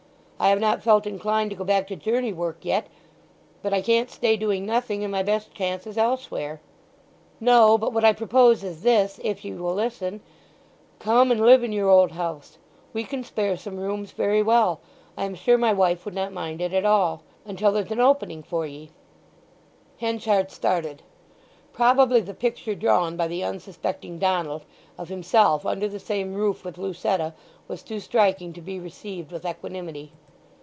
I have not felt inclined to go back to journey work yet; but I can't stay doing nothing, and my best chance is elsewhere." "No; but what I propose is this—if ye will listen. Come and live in your old house. We can spare some rooms very well—I am sure my wife would not mind it at all—until there's an opening for ye." Henchard started. Probably the picture drawn by the unsuspecting Donald of himself under the same roof with Lucetta was too striking to be received with equanimity.